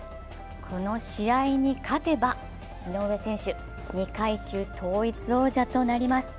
この試合に勝てば井上選手、２階級統一王者となります。